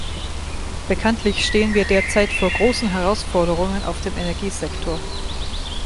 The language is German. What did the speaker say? Bekanntlich stehen wir derzeit vor großen Herausforderungen auf dem Energiesektor.